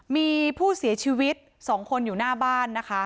มีผู้เสียชีวิต๒คนอยู่หน้าบ้านนะคะ